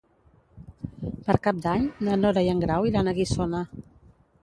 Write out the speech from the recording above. Per Cap d'Any na Nora i en Grau iran a Guissona.